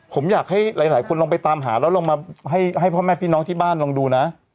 ผมอยากให้หลายคนลองไปตามหาแล้วลองมาให้พ่อแม่พี่น้องที่บ้านลองดูนะ